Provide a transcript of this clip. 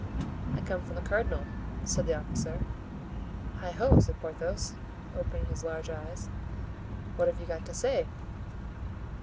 "I come from the cardinal," said the officer. "Heigho!" said Porthos, opening his large eyes; "what have you got to say?"